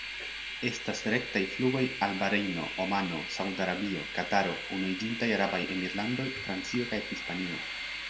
Estas rektaj flugoj al Barejno, Omano, Saud-Arabio, Kataro, Unuiĝintaj Arabaj Emirlandoj, Francio kaj Hispanio.